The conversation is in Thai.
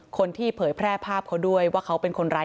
เผยแพร่ภาพเขาด้วยว่าเขาเป็นคนร้าย